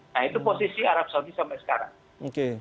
nah itu posisi arab saudi sampai sekarang